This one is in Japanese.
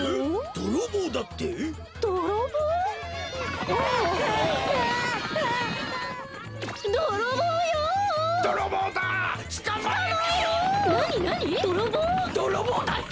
どろぼうだって！？